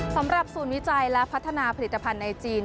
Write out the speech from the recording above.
สำหรับศูนย์วิจัยและพัฒนาผลิตภัณฑ์ในจีน